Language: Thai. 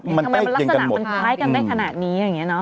ลักษณะมันใคร่ตัดกันได้ขนาดนี้